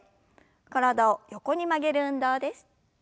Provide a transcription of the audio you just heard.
体を横に曲げる運動です。